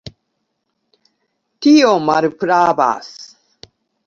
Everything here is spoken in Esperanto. Tio malpravas.